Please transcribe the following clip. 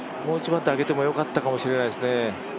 もう１番手、上げてもよかったかもしれないですね。